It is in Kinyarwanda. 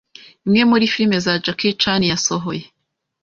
Imwe muri film za Jackie Chan yasohoye